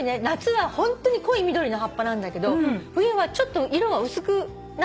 夏はホントに濃い緑の葉っぱなんだけど冬はちょっと色が薄く。